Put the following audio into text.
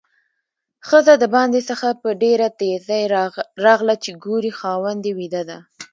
ښځه د باندې څخه په ډېره تیزۍ راغله چې ګوري خاوند یې ويده ده؛